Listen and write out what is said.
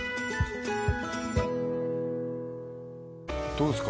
どうですか